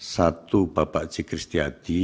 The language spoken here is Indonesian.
satu bapak cik kristi hadi